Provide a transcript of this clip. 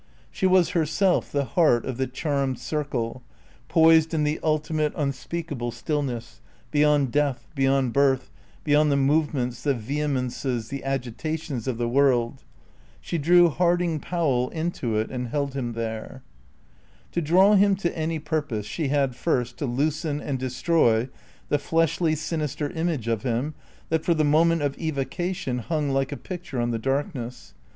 She was herself the heart of the charmed circle, poised in the ultimate unspeakable stillness, beyond death, beyond birth, beyond the movements, the vehemences, the agitations of the world. She drew Harding Powell into it and held him there. To draw him to any purpose she had first to loosen and destroy the fleshly, sinister image of him that, for the moment of evocation, hung like a picture on the darkness.